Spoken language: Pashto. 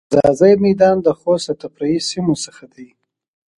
ځاځی میدان د خوست د تفریحی سیمو څخه ده.